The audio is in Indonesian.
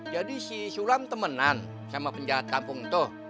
jadi si sulam temenan sama penjahat kampung itu